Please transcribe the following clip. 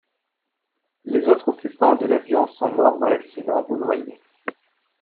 Les autres occupants de l’avions sont morts dans l’accident ou noyés.